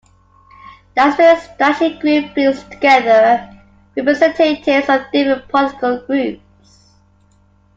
The Aspen Strategy Group brings together representatives of different political groups.